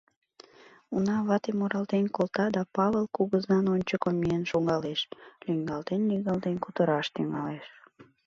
Уна вате муралтен колта да Павыл кугызан ончыко миен шогалеш, лӱҥгалтен-лӱҥгалтен кутыраш тӱҥалеш.